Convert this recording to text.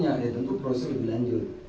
cuma hukumnya ada tentu proses lebih lanjut